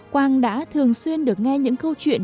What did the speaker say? quang đã thường xuyên được nghe những câu chuyện